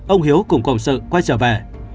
ông hiếu cùng công sự quay trở về